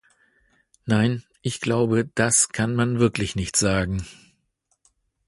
Nein, ich glaube, das kann man wirklich nicht sagen!